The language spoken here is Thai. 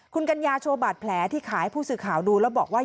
คุณกัญญาโชว์บาดแผลที่ขายให้ผู้สื่อข่าวดูแล้วบอกว่า